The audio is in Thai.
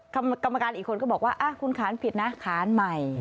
กรรมการอีกคนก็บอกว่าคุณขานผิดนะขานใหม่